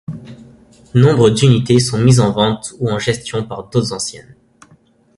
Nombre d'unités sont mises en vente ou en gestion par d'autres enseignes.